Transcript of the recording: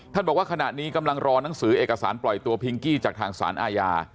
บอกว่าขณะนี้กำลังรอนังสือเอกสารปล่อยตัวพิงกี้จากทางสารอาญา